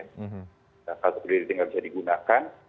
nah kartu kredit nggak bisa digunakan